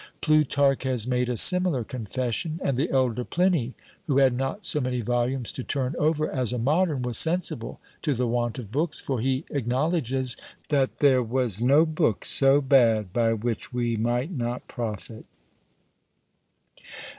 Plutarch has made a similar confession; and the elder Pliny, who had not so many volumes to turn over as a modern, was sensible to the want of books, for he acknowledges that there was no book so bad by which we might not profit.